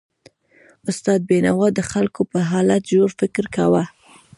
استاد بینوا د خلکو پر حالت ژور فکر کاوه.